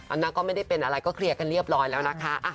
อันนั้นก็ไม่ได้เป็นอะไรก็เคลียร์กันเรียบร้อยแล้วนะคะ